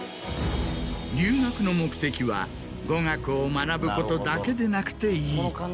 留学の目的は語学を学ぶことだけでなくていい。